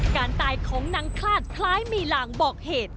การตายของนางคลาดคล้ายมีลางบอกเหตุ